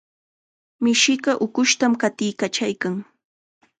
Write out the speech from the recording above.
Mishiqa ukushtam qatiykachaykan.